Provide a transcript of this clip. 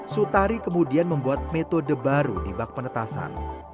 sutari kemudian membuat metode baru di bak penetasan